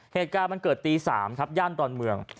เหตุการณ์มันเกิดตี๓ครับย่านดอนเมือง